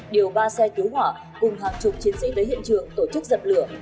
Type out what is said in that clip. điều ba xe cứu hỏa cùng hàng chục chiến sĩ đến hiện trường tổ chức dập lửa